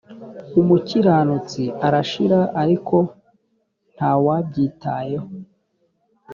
umukiranutsi arashira ariko nta wabyitayeho